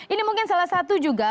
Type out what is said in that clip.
ini mungkin salah satu juga